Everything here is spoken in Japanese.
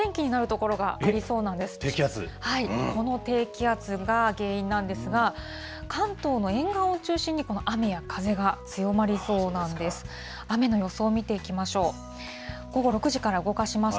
この低気圧が原因なんですが、関東の沿岸を中心に、この雨や風が強まりそうなんです。